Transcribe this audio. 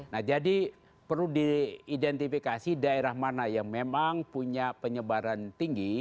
nah jadi perlu diidentifikasi daerah mana yang memang punya penyebaran tinggi